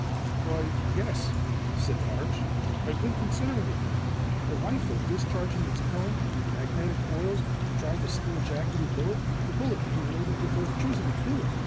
"Why yes," said Arch. "I've been considering it lately. A rifle discharging its current through magnetic coils to drive a steel jacketed bullet the bullet could be loaded with electricity too.